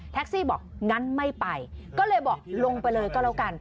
ซี่บอกงั้นไม่ไปก็เลยบอกลงไปเลยก็แล้วกัน